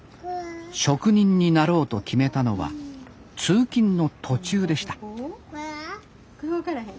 職人になろうと決めたのは通勤の途中でしたこれは？